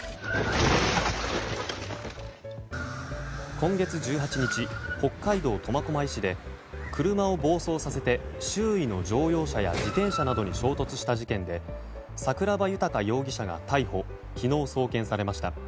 今月１８日、北海道苫小牧市で車を暴走させて周囲の乗用車や自転車などに衝突した事件で桜庭豊容疑者が逮捕昨日、送検されました。